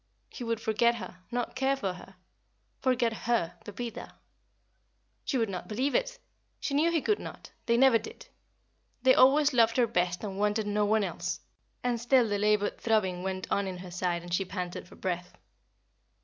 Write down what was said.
He would forget her, not care for her forget her, Pepita. She would not believe it. She knew he could not they never did; they always loved her best and wanted no one else. And still the labored throbbing went on in her side and she panted for breath.